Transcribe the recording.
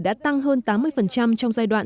đã tăng hơn tám mươi trong giai đoạn